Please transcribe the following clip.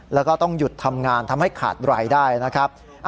แล้วก็ต้องหยุดทำงานทำให้ขาดรายได้นะครับ